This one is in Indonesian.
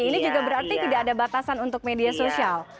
ini juga berarti tidak ada batasan untuk media sosial